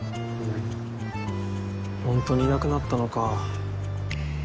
ほんとにいなくなったのか。